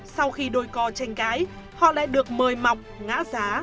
sau khi đôi co tranh cãi họ lại được mời mọc ngã giá